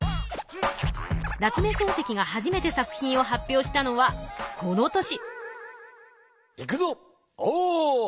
夏目漱石が初めて作品を発表したのはこの年。